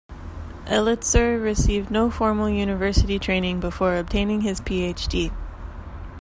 Elitzur received no formal university training before obtaining his PhD.